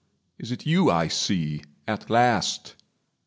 Is it you I see At last?